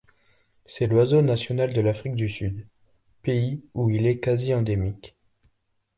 C'est l'oiseau national de l'Afrique du Sud, pays où il est quasi-endémique.